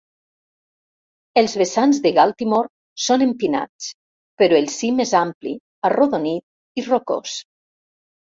Els vessants de Galtymore són empinats, però el cim és ampli, arrodonit i rocós.